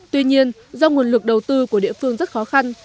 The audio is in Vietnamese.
tuy nhiên do nguồn lực đầu tư của địa phương rất khó khăn